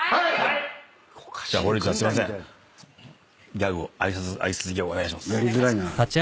ギャグを挨拶ギャグお願いします。